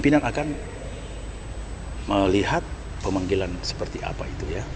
pimpinan akan melihat pemanggilan seperti apa itu ya